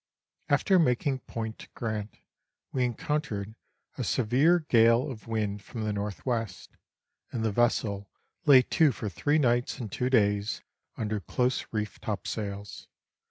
After making Point Grant we encountered a severe gale of wind from the N.W., and the vessel lay to for three nights and two days under close reefed topsails.